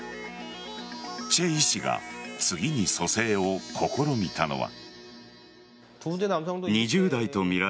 チェ医師が次に蘇生を試みたのは。